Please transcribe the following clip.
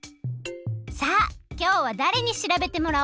さあきょうはだれにしらべてもらおうかな？